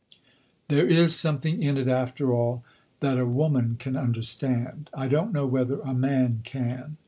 "There is something in it, after all, that a woman can understand. I don't know whether a man can.